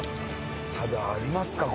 ただありますか？